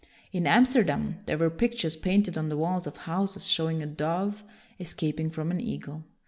In Amsterdam there were pictures painted on the walls of houses showing a dove escaping from an eagle.